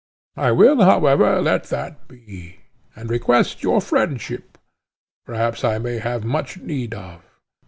I will, however, let that be, and request your friendship, which perhaps I may have much need of.